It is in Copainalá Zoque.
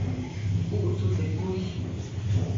ʼUʼtsu teʼ kujy.